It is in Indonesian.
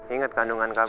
ingat kandungan kamu